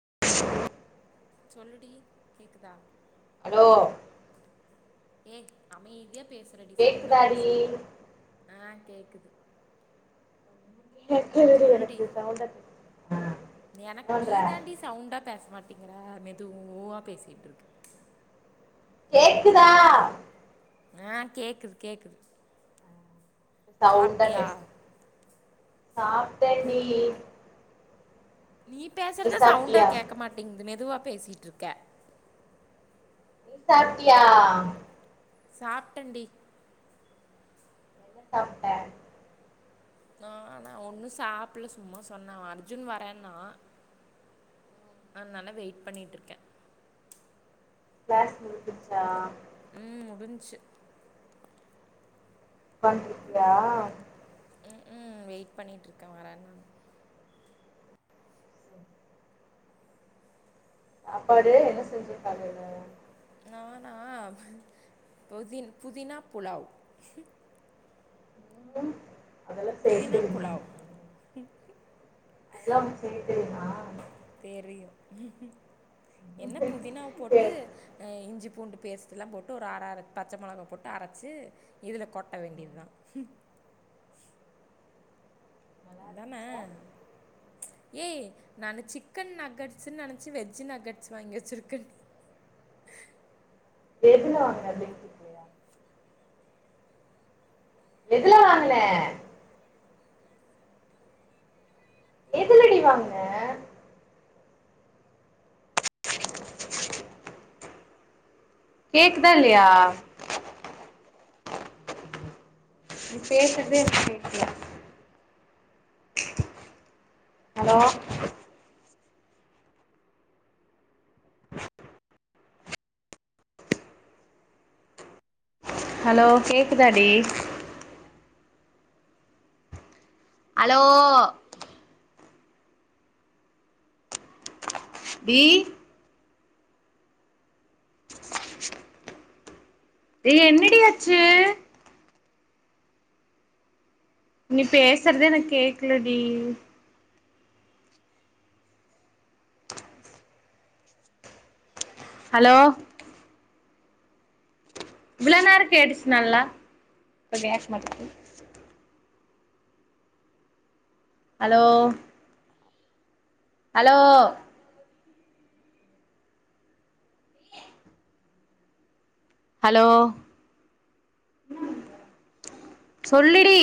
[unintelligible] என்ன டி கேக்குதா அலோ ஏன் அமைதிய பேசுறடி சவுண்டா கேக்குதாடி பேசு ஆஹ் கேக்குது கேக்குதுடி சொல்லுடி எனக்கு சவுண்டா கேக்குது ஆ என்ன எனக்கு பண்ற நீதாண்டி சவுண்டா பேசமாட் இங்க மெதுவா பேசிட்டு இருக்கு கேக்குதா ஆஹ் கேக்குது கேக்குது சவுண்டா சாப்ட்டியா பேசு சாப்ட டி நீ பேசுறத சவுண்டா கேட்கமாட்டேங்குது மெது மெதுவா பேசிட்டு இருக்கே நீ சாப்ட்டியா சாப்ட்டண்டி என்ன சாப்ட்ட நா நான ஒண்ணும் சாப்பிடல சும்மா சொன்னேன் அர்ஜுன் வரேன்னா அதுனால வெயிட் பண்ணிட்டு இருக்கேன் கிளாஸ் முடிஞ்சிருச்சா உம் முடிஞ்சு உட்க்காந்துட்டு இருக்கியா உம் வெயிட் பண்ணிட்டுருக்கேன் வரேன் நான சாப்பாடு என்ன செஞ்ச காலையில நானா புதின் புதினா புலாவ் உம் புதினா புலாவ் அதெல்லா உனக்கு செய்ய தெரியுமா தெரியும் என்ன புதினாவ போட்டு இஞ்சு பூண்டு பேஸ்ட் எல்லா போட்டு ஒரு அர அர பச்சை மிளகு போட்டு அரைச்சு இதுல கொட்ட வேண்டியது தான் நல்லா அதானே இருந்துச்சா ச்சு ஏய் நான சிக்கன் நக்கட்ஸ்னு நெனைச்சு வெஜ்ஜ் நக்கட்ஸ் வாங்கி வச்சிருக்கேன் டி எதுல வாங்கினா [unintelligible] இல்லயா எதுலா வாங்குனா எதுலடி வாங்குனா கேக்குதா இல்லயா நீ பேசுறதே எனக்கு கேட்கல ஹலோ ஹலோ கேக்குதாடி அலோ டி ஏய் என்னடி ஆச்சு நீ பேசுறதே எனக்கு கேக்கலடி ஹலோ இவ்ளோ நேரம் கேட்டுச்சு நல்லா இப்ப கேக்க மாட்டேங்குது ஹலோ ஹலோ ஹலோ சொல்லுடி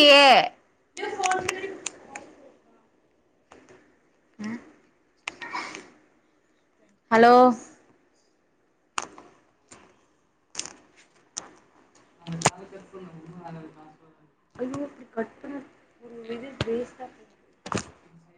அஹ ஹலோ ஐயோ இப்டி கட் பண்ணா இது வேஸ்டா போயிடும்